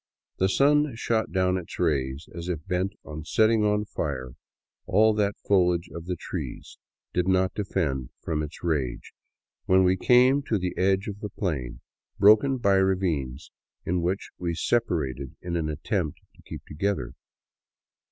The sun shot down its rays as if bent on setting on fire all that the foliage of the trees did not defend from its rage, when we came to the edge of the plain, broken by ravines in which we sepa rated in an attempt to keep together.